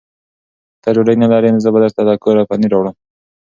که ته ډوډۍ نه لرې، زه به درته له کوره پنېر راوړم.